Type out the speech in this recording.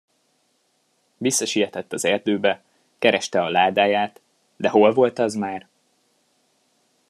Visszasietett az erdőbe, kereste a ládáját, de hol volt az már!